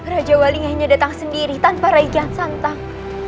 raja waling hanya datang sendiri tanpa raja santang